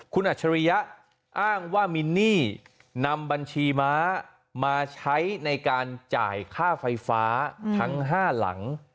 คุณอัจฉริยะอ้างว่ามินนี่นำบัญชีม้ามาใช้ในการจ่ายค่าไฟฟ้าทั้ง๕หลัง